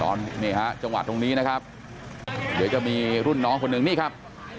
ตอนนี้ฮะจังหวะตรงนี้นะครับเดี๋ยวจะมีรุ่นน้องคนหนึ่งนี่ครับ